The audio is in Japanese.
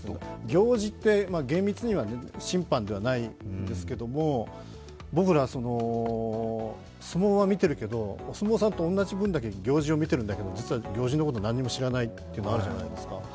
行司って、厳密には審判じゃないですけれども僕ら相撲は見ているけど、お相撲さんの分だけ行司を見ているんだけど実は行司のこと何も知らないってあるじゃないですか。